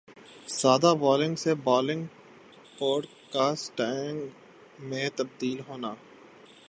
سادہ بلاگنگ سے blogging podcasting میں تبدیل ہونا